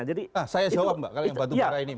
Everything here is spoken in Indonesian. saya jawab mbak kalau yang batu bara ini